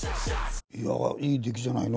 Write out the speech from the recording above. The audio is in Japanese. いやあいい出来じゃないの？